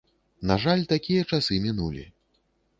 На жаль, такія часы мінулі.